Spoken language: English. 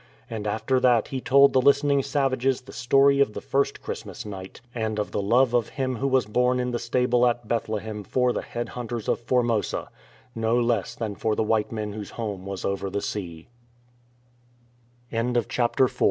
And after that he told the listening savages the story of the first Christmas night, and of the love of Him who was born in the stable at Bethlehem for the head hunters of Formosa, no less than for the white men whose home was over th